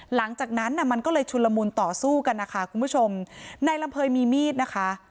หลังจากนั้นน่ะมันก็เลยชุนละมุนต่อสู้กันนะคะคุณผู้ชมนายลำเภยมีมีดนะคะ